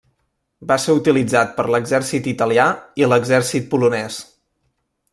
Va ser utilitzat per l'exèrcit Italià i l'exèrcit polonès.